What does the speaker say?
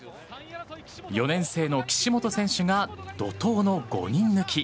４年生の岸本選手が怒涛の５人抜き。